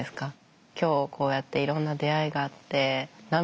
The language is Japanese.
今日こうやっていろんな出会いがあって涙も流れて